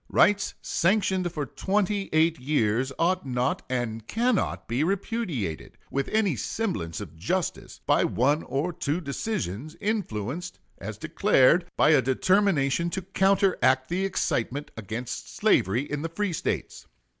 Rights sanctioned for twenty eight years ought not and cannot be repudiated, with any semblance of justice, by one or two decisions, influenced, as declared, by a determination to counteract the excitement against slavery in the free States....